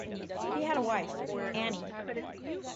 He had a wife, Annie.